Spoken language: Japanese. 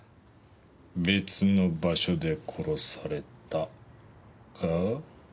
別の場所で殺されたか？